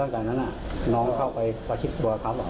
แล้วก็หลังจากนั้นน่ะน้องเข้าไปประชิปตัวเขาอ๋อประชิปตัวแย่งปืน